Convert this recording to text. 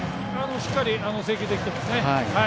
しっかり制球できています。